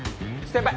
先輩。